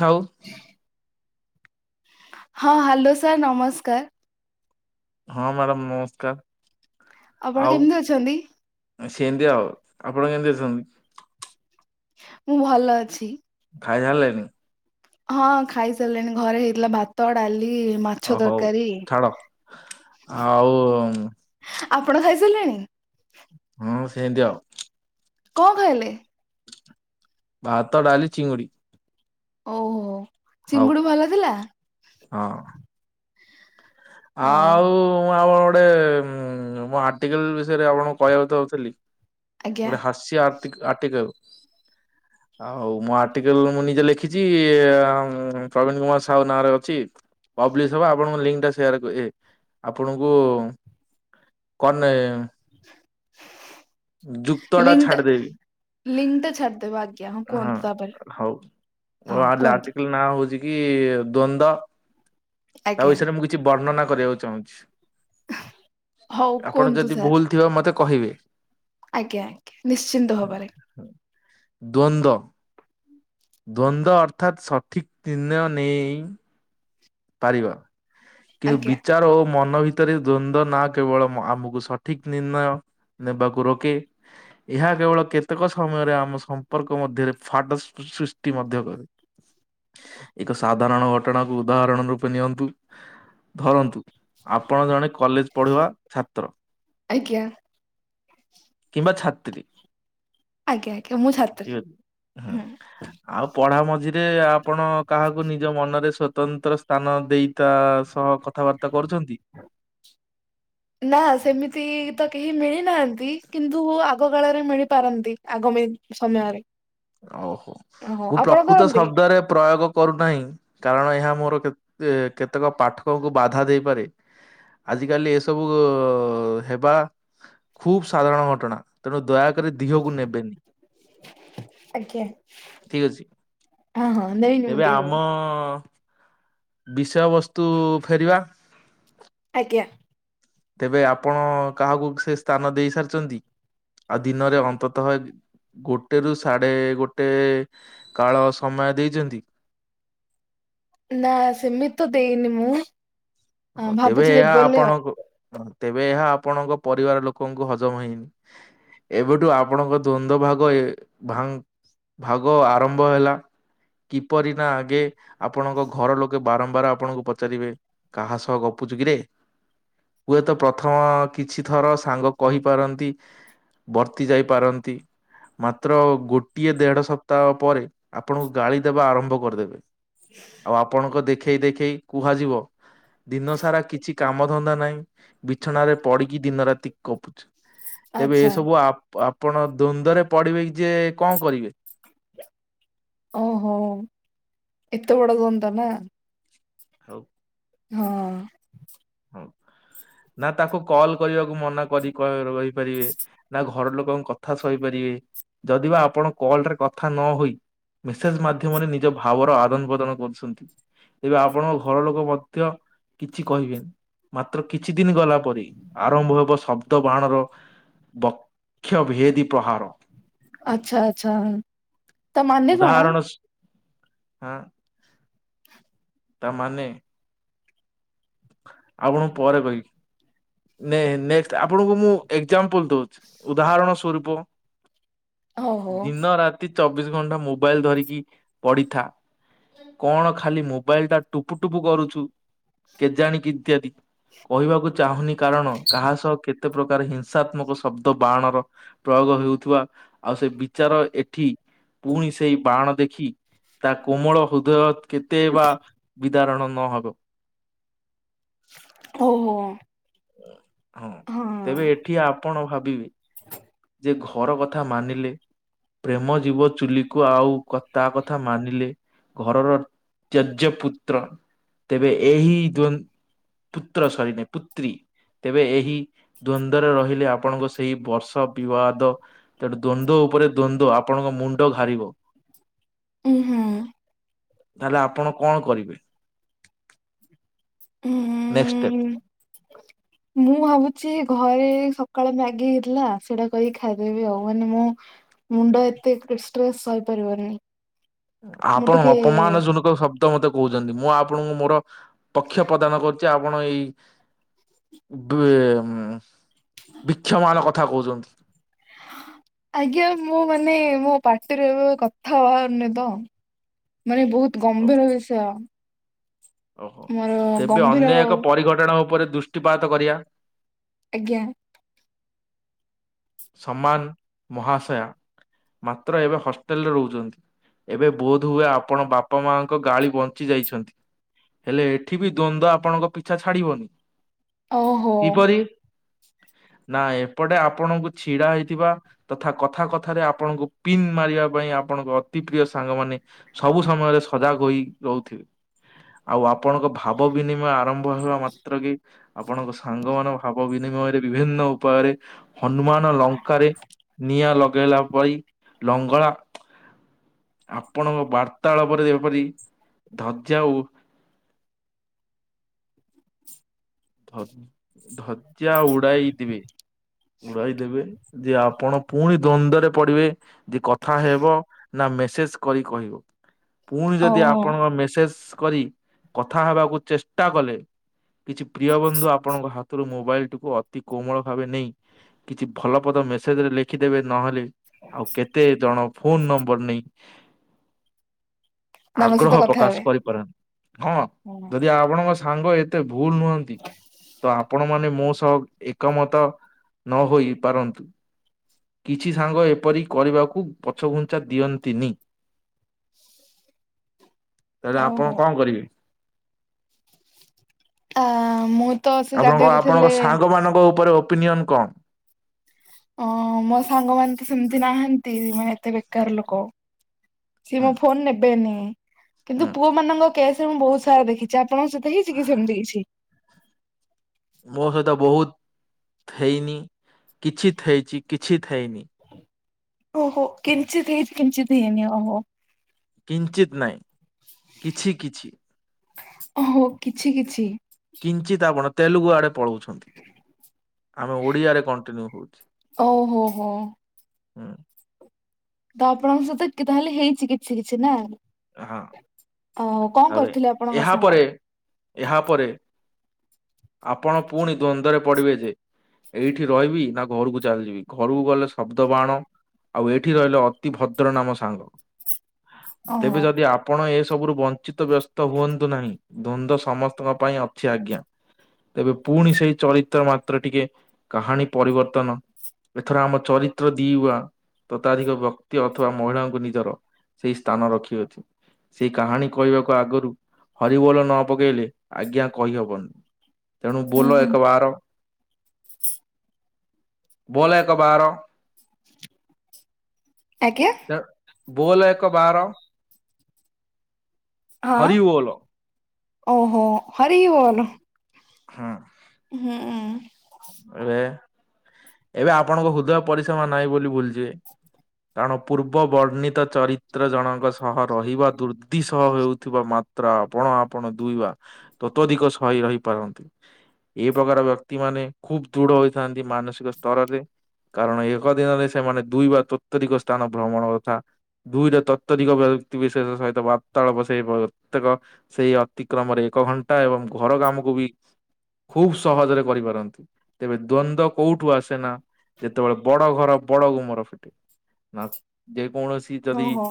ସାହୁ ହଁ hello sir ନମସ୍କାର। ହଁ ମ୍ୟାଡ଼ାମ ମୋସ୍କାର। ଆପଣ ଆଉ କେମିତି ଅଛନ୍ତି? ସେମିତି ଆଉ। ଆପଣ କେମିତି ଅଛନ୍ତି? ମୁଁ ଭଲ ଅଛି। ଖାଇ ସାରିଲେଣି? ହଁ ଖାଇ ସାରିଲେଣି ଘରେ ହେଇଥିଲା ଭାତ ଡାଲି। ମାଛ ଓ ହଉ ତରକାରୀ। ଛାଡ ଆଉ ଆପଣ ଖାଇସାରିଲେଣି। ହଁ ସେମତି ଆଉ। କଣ ଖାଇଲେ। ଭାତ ଡାଲି ଚି଼ଙ୍କୁଡ଼ି। ଓହୋ। ଚିଙ୍ଗୁଡୁ ଭଲ ଥିଲା। ହଁ ଅ ଆଉ ଆଉ। ଗଟେ ମୁଁ ଆର୍ଟିକିଲ୍ ବିଷୟରେ ଆପଣଙ୍କୁ କହିବାକୁ ଚାହୁଥିଲି। ଆଜ୍ଞା ଗୋଟେ ହାସ୍ୟ ଆର୍ଟି ଆର୍ଟିକିଲ୍ ଆ ହୋଉ ମୁଁ ଆର୍ଟିକିଲ୍ ମୁଁ ନିଜେ ଲେଖିଛି। ପ୍ରବୀଣ କୁମାର ସାହୁ ନାଁରେ ଅଛି। ପବ୍ ଥିବ ଆପଣଙ୍କୁ ଲିଙ୍କ୍ ଟା ସେୟାର ଏ ଆପଣଙ୍କୁ କଣ ନେ ଯୁକ୍ତ ଲିଙ୍କ୍ ଟା ଛାଡିଦେବି ଲିଙ୍କ୍ ଟା ଛାଡି ଦେବ। ଆ ହଁ ହଁ ହଉ କୁହନ୍ତୁ ଆର୍ଟିକିଲ୍ ନା ହଉଛି କି ଦ୍ଵନ୍ଦ୍ୱ ତାଉ ଆଜ୍ଞା। ବିଷୟରେ ମୁଁ କିଛି ବର୍ଣ୍ଣନା କରିବାକୁ ଚାହୁଁଛି। ହଉ ଆପଣ କୁହନ୍ତୁ ଯଦି ସାର୍ ଭୁଲ୍ ଥିବ। ମତେ କହିବି। ଆଜ୍ଞା ଆଜ୍ଞା ନିଶ୍ଚିନ୍ତ ହବାରେ। ଦ୍ୱନ୍ଦ୍ୱ। ଦ୍ଵନ୍ଦ୍ୱ ଅର୍ଥାତ୍ ସଠିକ୍ ନିର୍ଣ୍ଣୟ ନେଇ ପାରିବା। କେ ଆଜ୍ଞା ବିଚାର ଓ ମନ ଭିତରେ ଦ୍ଵନ୍ଦ୍ୱ ନା କେବଳ ଆମକୁ ସଠିକ ନିର୍ଣ୍ଣୟ ନେବାକୁ ରୋକେ। ଏହା କେବଳ କେତେକ ସମୟରେ ଆମ ସମ୍ପର୍କ ମଧ୍ୟରେ ଫାଟ ସୃଷ୍ଟି ମଧ୍ୟ କରେ। ଏକ ସାଧାରଣ ଘଟଣାକୁ ଉଦାହରଣ ରୂପେ ନିଅନ୍ତୁ। ଧରନ୍ତୁ। ଆପଣ ଜଣେ କଲେଜ୍ ପଢିବା ଛାତ୍ର। ଆଜ୍ଞା। କିମ୍ବା ଛାତ୍ରୀ। ଆଜ୍ଞା ଆଜ୍ଞା ମୁଁ ଠିକ ଛାତ୍ରୀ ଅଛି ହୁଁ ଆଉ ପଢା ମ ଆଝିରେ ଆପଣ କାହାକୁ ନିଜ ମନରେ ସ୍ୱତନ୍ତ୍ର ସ୍ଥାନ ଦେଇ ତା ସହ କଥାବାର୍ତ୍ତା [inaudible] ନା ସେମିତି ତ କେହି ମିଳି ନାହାଁନ କିନ୍ତୁ ଆଗ କାଳରେ ମିଳିପାରନ୍ତି। ଆଗାମୀ ସମୟରେ ଓହୋ ହଁ ମୁଁ ଆପଣ ପ୍ରକୃତ କରନ୍ତି? ଶବ୍ଦରେ ପ୍ରୟୋଗ କରୁନାହିଁ। କା କାରଣ ଏହା ମୋର କେତେକ ପାଠକଙ୍କୁ ବାଧା ଦେଇପାରେ। ଆଜିକାଲି ଏସବୁ ହେବା ଖୁବ୍ ସାଧାରଣ ଘଟଣା। ତେଣୁ ଦୟା ରେ ଦିହକୁ ନେବେନି। ଆଜ୍ଞା। ଠିକ ଅଛି [inaudible] ହଁ ହଁ [unintelligible] ବିଷୟ ବସ୍ତୁ ଫେରିବା। ଆଜ୍ଞା। ତେବେ ଆପଣ କାହାକୁ ସେ ସ୍ଥାନ ଦେଇ ସାରିଛନ୍ତି। ଆଉ ଦିନରେ ଅନ୍ତତଃ ଗୋଟେ ରୁ ସାଢେ ଗୋଟେ କାଳ ସମୟ ଦେଇଛନ୍ତି। ନା ସେମିତ ଦେଇନି ମୁଁ। ହ ତେବେ ଭାବୁଛି ଦେବି ଏହା ବୋଲି ଆଉ। ଆପଣ ତେବେ ଏହା ଆପଣଙ୍କ ପରିବାର ଲୋକଙ୍କୁ ହଜମ ହେଇନି। ଏବେଠୁ ଆପଣଙ୍କ ଦ୍ଵନ୍ଦ ଭାଗ ଭାଗ ଆରମ୍ଭ ହେଲା। କିପରି ନା ଆଗେ ଆପଣଙ୍କ ଘର ଲୋକେ ବାରମ୍ବାର ଆପଣଙ୍କୁ ପଚାରିବେ କାହା ସହ ଗପୁଛୁ କିରେ [inaudible] ହୁଏତ ପ୍ରଥମ କିଛି ଥର ସାଙ୍ଗ କହିପାରନ୍ତି ବର୍ତ୍ତି ଯାଇପାରନ୍ତି। ମାତ୍ର ଗୋଟିଏ ଦେଢ ସପ୍ତାହ ପରେ ଆପଣଙ୍କୁ ଗାଳି ଦେବା ଆରମ୍ଭ କରିଦେବେ। ଆଉ ଆପଣଙ୍କ ଦେଖେଇ ଦେଖେଇ କୁହାଯିବ ଦିନ ସାରା କିଛି କାମ ଧନ୍ଦା ନାହିଁ ବିଛଣାରେ ପଡିକି ଦିନ ରାତି ଗପୁଛୁ। ତେବେ ଆଚ୍ଛା। ଏସବୁ ଆପ ଆ ଆପଣ ଦ୍ୱନ୍ଦ ରେ ପଡିବେ ଯେ କଣ କରିବେ। [inaudible] ଓହୋ ଏତେ ବଡ ଦୋନଦ ନା। ହଉ ହଁ। ନା ତାକୁ କଲ କରିବାକୁ କୁ ମନା କରି କହିବ ଭାଇ କରିବେ ନା ଘର ଲୋକଙ୍କ କଥା ସହିପାରିବେ ଯଦିବା ଆପଣ କଲ ରେ କଥା ନ ହେଇ ମେସେଜ ମାଧ୍ୟମରେ ନିଜ ଭାବର ଆଦାନ ପ୍ରଦାନ କରୁଛନ୍ତି। ଏବେ ଆପଣଙ୍କ ଘର ଲୋକ ମଧ୍ୟ କିଛି କହିବେନି। ମାତ୍ର କିଛି ଦିନ ଗଲା ପରେ ଆରମ୍ଭ ହେବ ଶବ୍ଦ ବାହାଣର ବକ୍ଷ ଭେଦୀ ପ୍ରହାର। ଆଚ୍ଛା ଆଚ୍ଛା। ତା ମାନେ କଣ? ଉଦାହରଣ ହଁ। ତା ମାନେ ଆପଣଙ୍କୁ ପରେ କହିବି [inaudible] ନେ ନେଷ୍ଟ ଆପଣଙ୍କୁ ମୁଁ ଏକ୍ଜାମ୍ପଲ ଦଉଛି। ଉଦାହରଣ ସରୂପ ଓହୋ ଦିନ ରାତି ଚବିଶ ଘଣ୍ଟା ମୋବାଇଲ ଧରିକି ପଡିଥା। କଣ ଖାଲି ମୋବାଇଲ ଟା ଟୁପୁ ଟୁପୁ କରୁଛୁ। କେଜାଣ କିି ଇତ୍ୟାଦି କହିବାକୁ ଚାହୁଁନି କାରଣ କାହା ସହ କେତେ କେତେ ପ୍ରକାର ହିଂସାତ୍ମକ ଶବ୍ଦ ବାଣର ପ୍ରୟୋଗ ହେଉଥିବା। ଆଉ ସେ ବିଚାର ଏଠି ପୁଣି ସେଇ ବାଣ ଦେଖି ତା କୋମଳ ହୃଦୟ କେତେ ବା ଉଦ୍ଧାରଣ ନହେବ। ଓହୋ ହୁଁ। ହଁ ତେବେ ଏଠି ଆପଣ ଭାବିବେ ଯେ ଘର କଥା ମାନିଲେ ପ୍ରେମ ଜୀବ ଚୁଲିକୁ ଆଉ ତା କଥା ମାନିଲେ ଘରର ତେଯ୍ୟ ପୁତ୍ର ତେବେ ଏହି ଦ ପୁତ୍ର ସରି ନାଇ ପୁତ୍ରୀ ତେବେ ଏହି ଦ୍ଵନ୍ଦରେ ରହିଲେ ଆପଣଙ୍କ ସେଇ ବର୍ଷ ବିବାଦ ତେଣୁ ଦ୍ଵନ୍ଦ ଉପରେ ଦ୍ଵନ୍ଦ ଆପଣଙ୍କ ମୁଣ୍ଡ ଘାରିବ। ଉଁ ହୁଁ ତାହେଲେ ଆପଣ କଣ କରିବେ? ନେକ୍ସଟ ଷ୍ଟେପ ଉହୁଁ ମୁଁ ଭାବୁଛି ଘ ଘରେ ସକାଳେ ମ୍ୟାଗି ହେଇଥିଲା ସେଇଟା କରିକି ଖାଇଦେବି ଆଉ ମାନେ ମୋ ମୁଣ୍ଡ ଏତେ ଷ୍ଟ୍ରେସ୍ ସହିପାରିବନି। ମୁଁ ଆପଣ ଟିକେ ଅପମାନ ଯୋନ କ ଶବ୍ଦ ମତେ କହୁଛନ୍ତି ମୁଁ ଆପଣଙ୍କୁ ମୋର ପକ୍ଷ ପ୍ରଦାନ କର ଛି ଆପଣ ଏଇ ଇଏ ବିକ୍ଷମାନ କଥା କଥା କହୁଛନ୍ତି। ଆଜ୍ଞା ମୁଁ ମାନେ ମୋ ପାଟିରେ ଏବେ କଥା ବାହାରୁନି ତ ମାନେ ବହୁତ ଓ- ଗମ୍ଭୀର ବିଷୟ ଓହୋ ମୋର ତେବେ ଗମ୍ଭୀର ଅନ୍ୟ ଏକ ପରିଘଟଣା ଉପରେ ଦୃଷ୍ଟିପାତ କରିବା ଆଜ୍ଞା ସମାନ ମହାଶୟା ମାତ୍ର ଏବେ ହଷ୍ଟେଲରେ ରହୁଛନ୍ତି ଏବେ ବୋଧହୁଏ ଆପଣ ବାପା ମାଙ୍କ ଗାଳି ବଞ୍ଚି ଯାଇଛନ୍ତି ହେଲେ ଏଠି ବି ଦ୍ଵନ୍ଦ୍ୱ ଆପଣଙ୍କ ପିଛା ଛାଡିବନି ଓହୋ କିପରି ନା ଏପଟେ ଆପଣଙ୍କୁ ଛିଡା ହେଇଥିବା ତଥା କଥା କଥାରେ ଆପଣଙ୍କୁ ପିନ୍ ମାରିବା ପାଇଁ ଆପଣଙ୍କ ଅତି ପ୍ରିୟ ସାଙ୍ଗ ମାନେ ସବୁ ସମୟରେ ସଜାଗ ହୋଇ ରହୁଥିବେ ଆଉ ଆପଣ ଆପଣଙ୍କ ଭାବ ବିନିମୟ ଆରମ୍ଭ ରମ୍ଭ ହେବା ମାତ୍ର କେ ଆପଣଙ୍କ ସାଙ୍ଗମାନେ ଭାବ ବି ବିନିମୟରେ ବିଭିନ୍ନ ଉପାୟରେ ହ ହନୁମାନ ଲଙ୍କାରେ ନିଆଁ ଲଗ ଗେଇଲା ଭଳି ଲଙ୍ଗଳା ଆପଣଙ୍କ ବାର୍ତ୍ତାଳପରେ ଯେପରି ଧଜ୍ୟା ଆଉ ହଉ। ଧଜ୍ୟା ଉଡ଼ାଇ ଦେବେ। ଉଡାଇ ଦେବେ ଯେ ଆପଣ ପୁଣି ଦ୍ଵନ୍ଦରେ ପଡିବେ ଯେ କଥା ହେବ ନା ମେସେଜ କରି କହିବ। ପୁଣି ଯଦି ଓହୋ ଆପଣଙ୍କ ମେସେଜ କରି କଥା ହେବାକୁ ଚେଷ୍ଟା କଲେ କିଛି ପ୍ରିୟ ବନ୍ଧୁ ଆପଣଙ୍କ ହାତରୁ ମୋବାଇଲ୍ ଟିକୁ ଅତି କୋମଳ ଭାବେ ନେଇ କିଛି ଭଲ ପଦ ମେସେଜ୍ ରେ ଲେଖିଦେବେ ନହେଲେ ଆଉ କେତେ ଜଣ ଫୋନ୍ ନମ୍ବର୍ ନେଇ ତାଙ୍କ ସହିତ ଆଗ୍ରହ କଥା ପ୍ରକାଶ ହେବେ। କରିପାରନ୍ତି, ହଁ ଯଦି ଆପଣଙ୍କ ସାଙ୍ଗ ଏତେ ଭୁଲ ନୁହଁନ୍ତି, ତ ଆପ ଆପଣ ମାନେ ମୋ ସହ ଏକମତ ନହୋଇ ପାରନ୍ତୁ, କିଛି ସାଙ୍ଗ ଏପରି କରିବାକୁ ପଛଘୁଞ୍ଚା ଦିଅନ୍ତିନି। ତାହେଲେ ଓହୋ ଆପଣ କଣ କରିବେ? ଆ, ମୁଁ ତ ସେ ଆପଣଙ୍କ ଜାଗାରେ ଥିଲେ ଆପଣଙ୍କ ସାଙ୍ଗ ମାନଙ୍କ ଉପରେ ଅ ଓପିନିଅନ୍ କଣ? ଅଁ, ମୋ ସାଙ୍ଗ ମାନେ ତ ସେମିତି ନାହାନ୍ତି ମାନେ ଏତେ ବେକାର ଲୋକ। ସିଏ ହୁଁ ମୋ ଫୋନ୍ ନେବେନି ହୁଁ କିନ୍ତୁ ପୁଅ ମାନଙ୍କ କେସ୍ ମୁଁ ବହୁତ ସାରା ଦେଖିଚି, ଆ ଆପଣଙ୍କ ସହିତ ହେଇଚି କି ସେମିତି କିଛି? ମୋ ସହିତ ବହୁତ ଥେଇନି, କିଛି ଥେଇଚି, କିଛି ଥେଇନି। ଓହୋ! କିଞ୍ଚିତ ହେଇଚି, କିଞ୍ଚିତ ହେଇନି, ଓହୋ। କିଞ୍ଚିତ ନାଇଁ କିଛି କିଛି। ଓହୋ କିଛି କିଛି। କିଞ୍ଚିତ ଆପଣ ତେଲଗୁ ଆଡ଼େ ପଳଉ ଛନ୍ତି, ଆମେ ଓଡିଆରେ କଣ୍ଟିନ୍ୟୁ ହଉଛି। ଓହୋ ହୋ ହୁଁ, ତ ଆପଣଙ୍କ ସହିତ କି-ତାହେଲେ ହେଇଚି କିଛି କିଛି ନା? ଏ ହଁ ଆଉ କଣ [unintelligible] କରୁଥିଲେ ଆପଣଙ୍କ ଏହା ସାଙ୍ଗ? ପରେ ଏହା ପରେ ଆପଣ ପୁଣି ଦ୍ଵନ୍ଦ ରେ ପଡିବେ ଯେ ଏଇଠି ରହିବି ନା ଘରକୁ ଚାଲିଯିବି, ଘରକୁ ଗଲେ ଶବ୍ଦ ବାଣ, ଆଉ ଏଇଠି ରହିଲେ ଅତି ଭଦ୍ର ନାମ ସାଙ୍ଗ ଓହୋ ତେବେ ଯଦି ଆପଣ ଏ ସବୁରୁ ବନ୍ ଚିତ ବ୍ୟସ୍ତ ହୁଅନ୍ତୁ ନାହିଁ। ଦ୍ଵନ୍ଦ୍ୱ ସମସ୍ତଙ୍କ ପାଇଁ ଅଛି ଆଜ୍ଞା, ତେବେ ପୁଣି ସେଇ ଚରିତ୍ର ମାତ୍ର ଟିକେ କାହାଣୀ ପରିବର୍ତ୍ତନ, ଏଥର ଆମ ଚରିତ୍ର ଦିଉଆ, ତତାଧିକ ବକ୍ତି ଅଥବା ମହିଳାଙ୍କୁ ନିଜର ସେଇ ସ୍ଥାନ ରଖି ଠିକ୍‌ ଅଛି ସେଇ କାହାଣୀ କହିବାକୁ ଆଗରୁ ହରିବୋଲ ନ ପକେଇଲେ ଆଜ୍ଞା କହିହବନି। ତେଣୁ ଉୁଁ ବୋଲ ହୁଁ ଏକ ବାର ବୋଲ ଏକ ବାର ଆଜ୍ଞା ତେଣୁ ବୋଲ ଏକ ବାର ହଁ ହରିବୋଲ ଓହୋ ହରିିବୋଲ। ହଁ ହୁଁ ଉଁ ଏବେ ଏବେ ଆପଣଙ୍କ ହୃଦୟ ପରିସମା ନାହିଁ ବୋଲି ଭୁଲିଯିବେ କାରଣ ପୂର୍ବ ବର୍ଣ୍ଣିତ ଚରିତ୍ର ଜଣଙ୍କ ସହ ରହିବା ଦୁର୍ଦ୍ଧି ସହ ହେଉଥିବା ମାତ୍ରା ଆପଣ ଆପଣ ଦୁଇବା ତତ୍ୱଧିକ ସହି ରହିପାରନ୍ତି। ଏ ପ୍ରକାର ବ୍ୟକ୍ତି ମାନେ ଖୁବ୍‌ ଦୃଢ ହୋଇଥାନ୍ତି ମାନସିକ ସ୍ତରରେ କାରଣ ଏକ ଦିନରେ ସେମାନେ ଦୁଇ ବା ତରିସ୍ଥାନ ଭ୍ରମଣ କଥା ଦୁଇଟା ତତ୍ତରିକ ବ୍ୟକ୍ତିବିଶେଷ ସହିତ ବାର୍ତ୍ତାଳାପ ସେଇ ପ୍ରତ୍ୟେକ ସେଇ ଅତିକ୍ରମରେ ଏକ ଘଣ୍ଟା ଏବଂ ଘର କାମକୁ ବି ଖୁବ ସହଜରେ କରିପାରନ୍ତି। ତେବେ ଦ୍ଵନ୍ଦ କୋଉଠୁ ଆସେ ନା ଯେତେବେଳେ ବଡ ଘର ବଡ ଗୁମର ଫିଟେ ନା ଯେ କୌଣସି ଯଦି ଓହୋ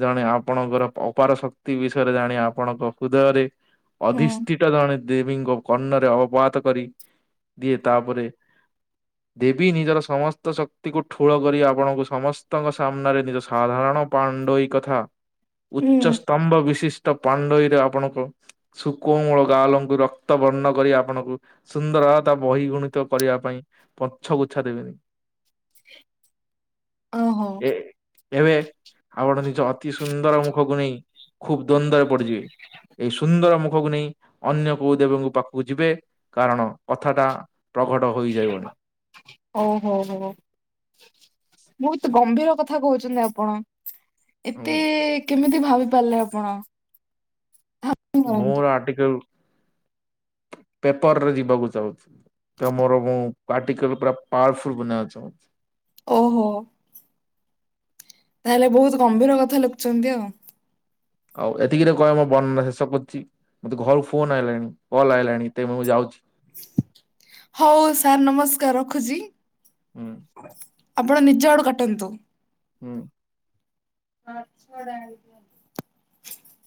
ଜଣେ ଆ ଆପଣଙ୍କର ଅପାର ଶକ୍ତି ବିଷୟରେ ଜାଣି ଆପଣଙ୍କ ହୃଦୟରେ ହୁଁ ଅଧିଷ୍ଟି ଟା ଜଣେ ଦେବୀଙ୍କ କର୍ଣ୍ଣରେ ଅବପାତ କରି। ଇଏ ତାପରେ ଦେବୀ ନିଜର ସମସ୍ତ ଶକ୍ତିକୁ ଠୁଳ କରି ଆପଣଙ୍କୁ ସମସ୍ତଙ୍କ ସାମ୍ନାରେ ନିଜ ସାଧାରଣ ପାଣ୍ଡୋଇ କଥା ହୁଁ ଉଚ୍ଚସ୍ତତମ୍ଭ ବିଶିଷ୍ଟ ପାଣ୍ଡୋଇରେ ଆପଣଙ୍କ ସୁକୋମୂଳ ଗାଁ ଲଙ୍କୁ ରକ୍ତ ବର୍ଣ୍ଣ କରି ଆପଣଙ୍କୁ ସୁନ୍ଦର ତା ବହି ଗୁଣିତ କରିବା ପାଇଁ ପଛଗୁଚ୍ଛା ଦେବିନି ଓହୋ ଏ ଏବେ ଆପଣ ନିଜ ଅତି ସୁନ୍ଦର ମୁଖକୁ ନେଇ ଖୁବ୍ ଦ୍ନ୍ଦରେ ପଡିଯିବେ ଏଇ ସୁନ୍ଦର ମୁଖକୁ ନେଇ ଅନ୍ୟ କୋଉ ଦେବଙ୍କ ପାଖକୁ ଯିବେ କାରଣ କଥା ଟା ଓହୋ ହୋ ମୁଁ ତ ଗମ୍ଭୀର କଥା କହୁଛନ୍ତି ଆପଣ? ଏତେ କେମିତି ଭାବି ପାରିଲେ ଆପଣ ହିଁ ମୁଁ କରନ୍ତୁ ଆର୍ଟିିକଲ ପେପର ରେ ଯିବାକୁ ଚାହୁଁଚି। ଚ ମୋର ମୁଁ ଆର୍ଟିକଲ ପୁରା ପାୱାରଫୁଲ ବନେୟା ଥା ଓହୋ ତାହେଲେ ବହୁତ ଗମ୍ଭୀର କଥା ଲେଖୁଛନ୍ତି ଆଉ ଆଉ ଏତିକି ଟ କହିବ ମୋ ବର୍ଣନା ଶେଷ କରୁଛି ମତେ ଘରକୁ ଫୋନ ଆଇଲାଣି କଲ୍ ଆଇଲାଣି ଏ ମୁଁ ମୁଁ ଯାଉଛି। ହଉ ସାର୍ ନମସ୍କାର ରଖୁଛି। ହୁଁ ଆପଣ ନିଜ ଆଡୁ କାଟନ୍ତୁ। ହୁଁ ମାଛ ଡା ଆ [unintelligible]